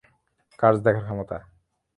Curse দেখার ক্ষমতা।